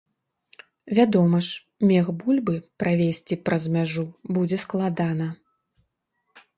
Вядома ж, мех бульбы правезці праз мяжу будзе складана.